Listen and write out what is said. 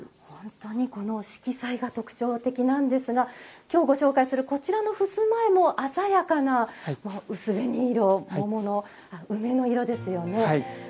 本当にこの色彩が特徴的なんですがきょうご紹介するこちらの襖絵も鮮やかな薄紅色梅の色ですよね。